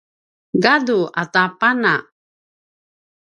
gadu ata pana